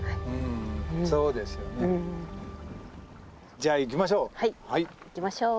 じゃあ行きましょう！